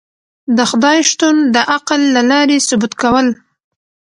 د خدای شتون د عقل له لاری ثبوت کول